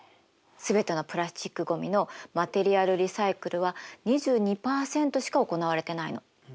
全てのプラスチックごみのマテリアルリサイクルは２２％しか行われてないの。